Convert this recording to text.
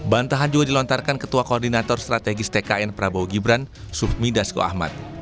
bantahan juga dilontarkan ketua koordinator strategis tkn prabowo gibran suhmi dasko ahmad